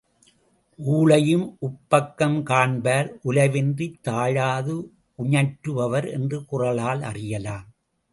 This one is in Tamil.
ஊழையும் உப்பக்கம் காண்பர் உலைவின்றித் தாழாது உஞற்று பவர் என்ற குறளால் அறியலாம்.